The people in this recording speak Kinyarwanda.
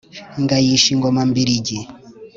ngayisha ingoma mbiligi